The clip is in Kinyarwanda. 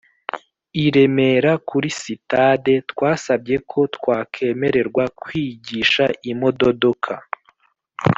i Remera kuri sitade twasabye ko twakemererwa kwigisha imododoka